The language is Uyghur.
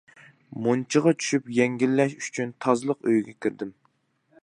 مۇنچىغا چۈشۈپ يەڭگىللەش ئۈچۈن تازىلىق ئۆيىگە كىردىم.